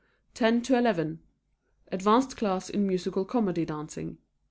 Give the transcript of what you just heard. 10:00 to 11:00 Advanced Class in Musical Comedy Dancing.